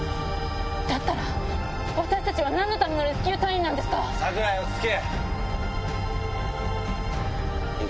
だったら私たちは何のためのレスキュー隊員なんですか⁉桜井落ち着け！